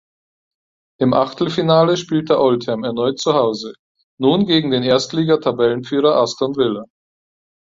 Im Achtelfinale spielte Oldham erneut zuhause, nun gegen den Erstliga-Tabellenführer Aston Villa.